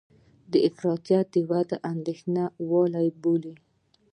د افراطیت وده د اندېښنې وړ بللې